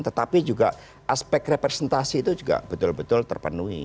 tetapi juga aspek representasi itu juga betul betul terpenuhi